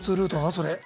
それ。